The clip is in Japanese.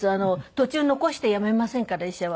途中残してやめませんから医者は。